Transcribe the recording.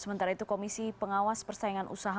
sementara itu komisi pengawas persaingan usaha